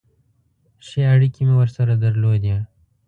ښې اړیکې مې ورسره درلودې.